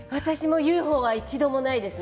ＵＦＯは一度もないです。